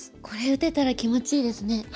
これ打てたら気持ちいいですね。